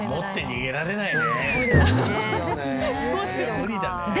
無理だね。